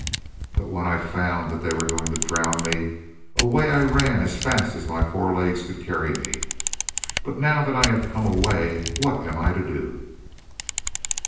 But when I found that they were going to drown me, away I ran as fast as my four legs could carry me. But now that I have come away, what am I to do?"